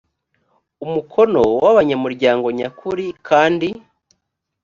umukono n abanyamuryango nyakuri kandi